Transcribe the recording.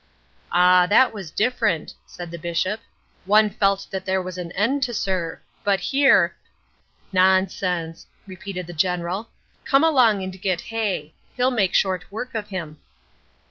"'Ah, that was different,' said the Bishop, 'one felt there that there was an end to serve, but here ' "'Nonsense,' repeated the General, 'come along and get Hay. He'll make short work of him.'